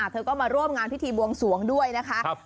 เธอก็มาร่วมงานพิธีบวงสวงด้วยนะคะ